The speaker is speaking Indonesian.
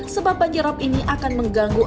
sebab banjirop ini akan mengganggu